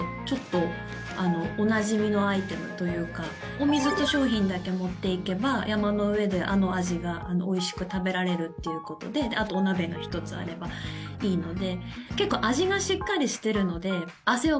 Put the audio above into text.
お水と商品だけ持っていけば山の上で、あの味がおいしく食べられるということであと、お鍋が１つあればいいので。